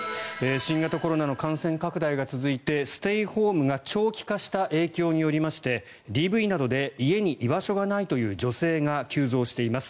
新型コロナの感染拡大が続いてステイホームが長期化した影響によりましてＤＶなどで家に居場所がないという女性が急増しています。